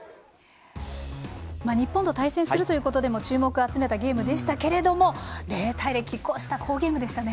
日本と対戦するということでも注目を集めたゲームでしたけども０対０、きっ抗した好ゲームでしたね。